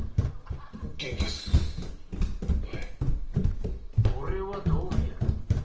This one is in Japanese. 元気ですはい俺はどう見える？